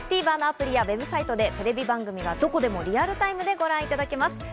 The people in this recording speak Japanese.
ＴＶｅｒのアプリやＷＥＢサイトでテレビ番組がどこでもリアルタイムでご覧いただけます。